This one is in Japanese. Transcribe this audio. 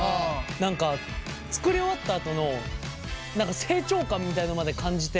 何か作り終わったあとの何か成長感みたいのまで感じて。